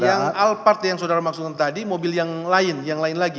yang al part yang saudara maksudkan tadi mobil yang lain yang lain lagi